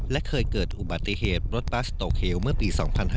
และเคยเกิดอุบัติเหตุรถบัสตกเหวเมื่อปี๒๕๕๙